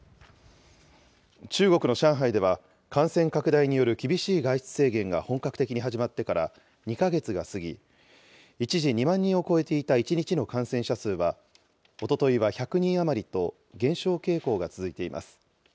中国の上海では、感染拡大による厳しい外出制限が本格的に始まってから２か月が過ぎ、一時２万人を超えていた１日の感染者数は、おとといは１００人余りと、減少傾向が続いています。